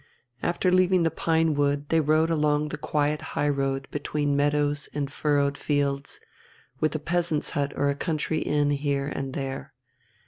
After leaving the pine wood they rode along the quiet high road between meadows and furrowed fields, with a peasant's hut or a country inn here and there.